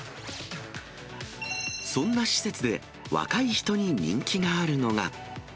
そんな施設で、若い人に人気があるのが。